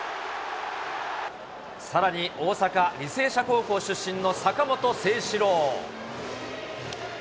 さらに大阪・履正社高校出身の坂本誠志郎。